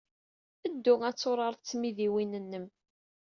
Ddu ad turared d tmidiwin-nnem.